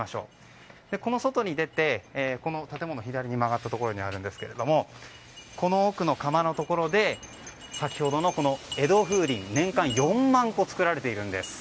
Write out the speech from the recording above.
この外に出て、建物を左に曲がったところにあるんですが奥の窯のところに先ほどの江戸風鈴が年間４万個作られているんです。